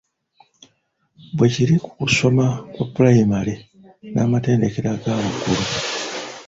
Bwe kiri ku kusoma kwa pulayimale n’amatendekero aga waggulu.